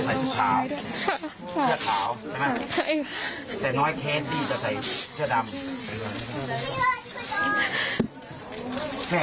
แต่น้อยเคสพี่จะใส่เชื้อดำ